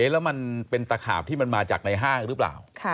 แล้วมันเป็นตะขาบที่มันมาจากในห้างหรือเปล่า